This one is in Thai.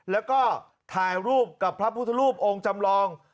แล้วก็ถ่ายรูปกับพระพุทธรูปองค์จำลอง